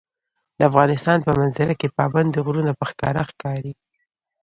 د افغانستان په منظره کې پابندي غرونه په ښکاره ښکاري.